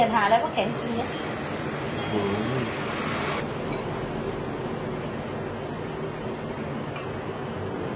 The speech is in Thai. มันจะเจ็บไง